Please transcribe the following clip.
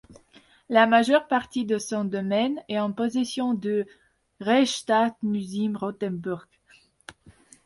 La majeure partie de son domaine est en possession du Reichsstadtmuseum Rothenburg.